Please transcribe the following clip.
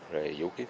rồi vũ khí thu sơ